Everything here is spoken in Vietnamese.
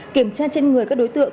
kiểm tra trên người các đối tượng